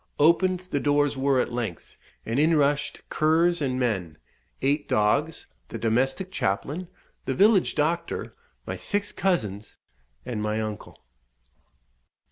Opened the doors were at length, and in rushed curs and men, eight dogs, the domestic chaplain, the village doctor, my six cousins, and my uncle.